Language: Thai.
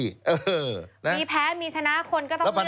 มีแพ้มีชนะคนก็ต้องเลือก